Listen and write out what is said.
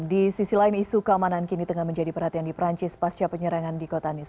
di sisi lain isu keamanan kini tengah menjadi perhatian di perancis pasca penyerangan di kota nis